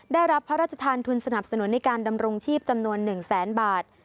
ได้รับพระราชทานทุนสนับสนุนในการดำรงชีพจำนวน๑แสนบาท